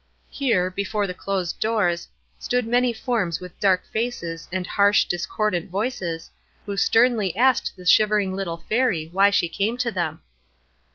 Here, before the closed doors, stood many forms with dark faces and harsh, discordant voices, who sternly asked the shivering little Fairy why she came to them.